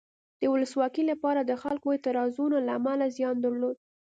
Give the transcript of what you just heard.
د ولسواکۍ لپاره د خلکو اعتراضونو له امله زیان درلود.